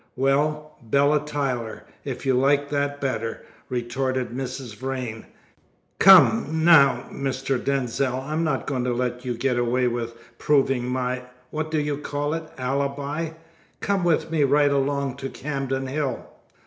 "Well, Bella Tyler, if you like that better," retorted Mrs. Vrain. "Come, now, Mr. Denzil, I'm not going to let you go away without proving my what do you call it? alibi. Come with me right along to Camden Hill."